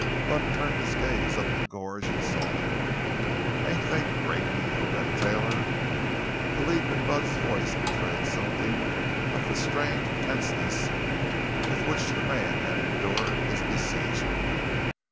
Bud turned his gaze up the gorge and saw them. "Ain't they great!" he yelled at Taylor. The leap in Bud's voice betrayed something of the strained tenseness with which the man had endured his besiegement.